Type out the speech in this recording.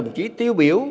đồng chí tiêu biểu